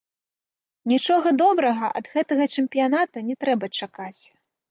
Нічога добрага ад гэтага чэмпіяната не трэба чакаць.